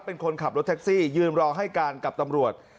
เป็นคนขับรถแท็กซี่ยืนรอให้การกับตำรวจ